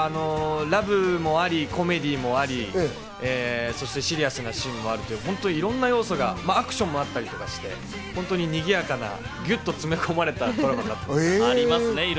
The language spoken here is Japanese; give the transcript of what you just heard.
ラブもあり、コメディーもあり、そしてシリアスなシーンもあって、いろんな要素がアクションもあったりして、にぎやかなギュッと詰め込まれたドラマだと思います。